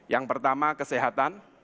yang pertama kesehatan